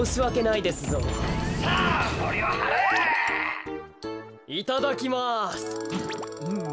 いただきます。